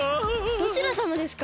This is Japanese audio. どちらさまですか？